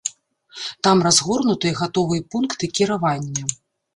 Там разгорнутыя гатовыя пункты кіравання.